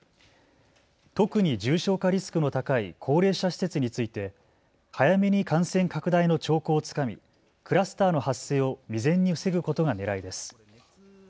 特に重症化リスクの高い高齢者施設について早めに感染拡大の兆候をつかみクラスターの発生を未然に防ぐことがねらいです。